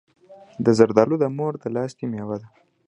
زردالو د مور د لاستی مېوه ده.